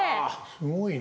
すごいな。